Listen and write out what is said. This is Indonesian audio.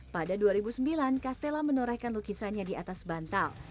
pada dua ribu sembilan castella menorehkan lukisannya di atas bantal